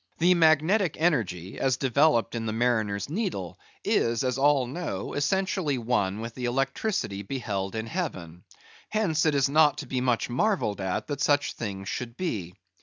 The magnetic energy, as developed in the mariner's needle, is, as all know, essentially one with the electricity beheld in heaven; hence it is not to be much marvelled at, that such things should be.